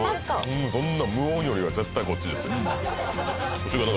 うんそんな無音よりは絶対こっちですよ